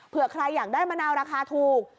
เพื่อใครอยากได้มะนาวราคาถูก